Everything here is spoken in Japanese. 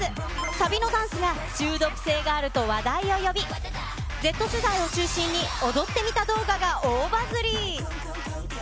サビのダンスが、中毒性があると、話題を呼び、Ｚ世代を中心に、踊ってみた動画が大バズり。